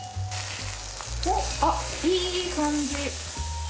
ほっあっいい感じ。